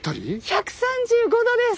１３５度です！